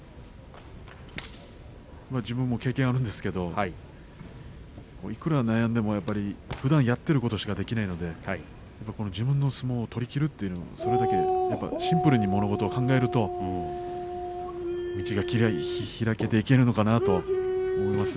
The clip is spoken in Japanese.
自分も経験があるんですが、いくら悩んでもふだんやっていることしかできないので自分の相撲を取りきるということ、それだけシンプルに物事を考えると道が切り開かれていくのかなと思います。